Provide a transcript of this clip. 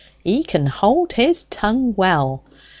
He can hold his tongue well.